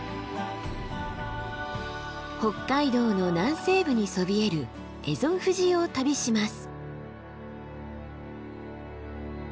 北海道の南西部にそびえる蝦夷富士を旅します。